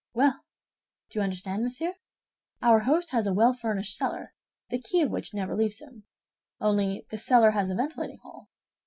Well, do you understand, monsieur? Our host has a well furnished cellar the key of which never leaves him; only this cellar has a ventilating hole.